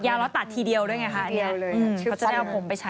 ยาวแล้วตัดทีเดียวด้วยไงค่ะเขาจะเอาผมไปใช้